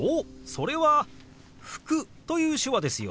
それは「服」という手話ですよ。